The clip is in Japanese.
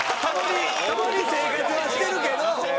共に生活はしてるけど。